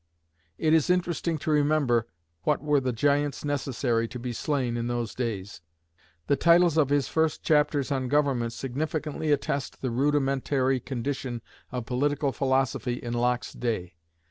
It is interesting to remember what were the giants necessary to be slain in those days. The titles of his first chapters on "Government" significantly attest the rudimentary condition of political philosophy in Locke's day.